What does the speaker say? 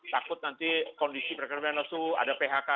takut nanti kondisi perekonomian lesu ada phk